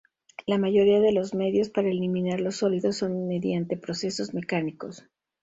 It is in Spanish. La mayoría de los medios para eliminar los sólidos son mediante procesos mecánicos.